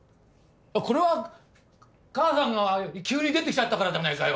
これは母さんが急に出てきちゃったからじゃないかよ。